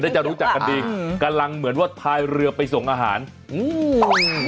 เหมือนได้เจานนุ่นจักกันดีอืมกำลังเหมือนว่าพลายเรือไปส่งอาหารอืมอ่า